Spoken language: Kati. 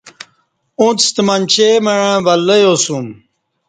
اُݩڅ ستہ منچے مع ولہ یاسُوم